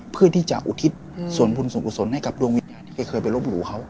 เพื่อที่จะอุทิศส่วนบุญส่วนกุศลให้กับดวงวิญญาณที่แกเคยไปรบหลู่เขา